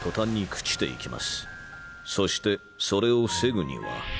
そしてそれを防ぐには。